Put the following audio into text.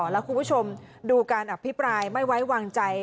แล้วคุณผู้ชมดูการอภิปรายไม่ไว้วางใจ